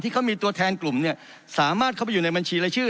เขามีตัวแทนกลุ่มเนี่ยสามารถเข้าไปอยู่ในบัญชีรายชื่อ